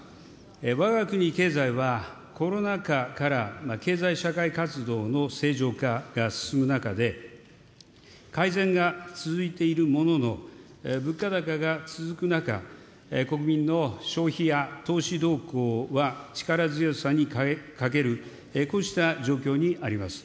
わが国経済は、コロナ禍から経済社会活動の正常化が進む中で、改善が続いているものの、物価高が続く中、国民の消費や投資動向は力強さに欠ける、こうした状況にあります。